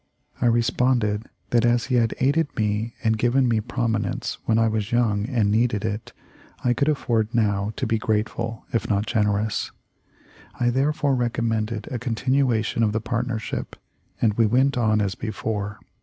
I responded that, as he had aided me and given me prominence when I was young and needed it, I could afford now to be grateful if not generous. I therefore recommended a continuation of the partnership, and we went on as before.